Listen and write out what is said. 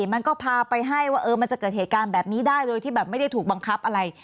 มันก็พาไปให้ว่ามันจะเกิดเหตุการณ์แบบนี้ได้โดยที่แบบไม่ได้ถูกบังคับอะไร